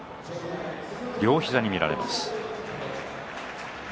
両膝に見られます。